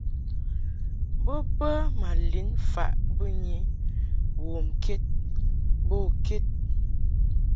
Bo bə ma lin faʼ bɨnyi womked bo ked.